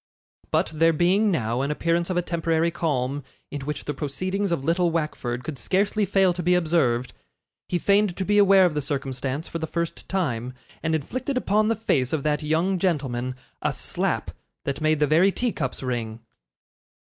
But there being now an appearance of a temporary calm, in which the proceedings of little Wackford could scarcely fail to be observed, he feigned to be aware of the circumstance for the first time, and inflicted upon the face of that young gentleman a slap that made the very tea cups ring.